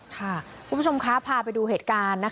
คุณผู้ชมคะพาไปดูเหตุการณ์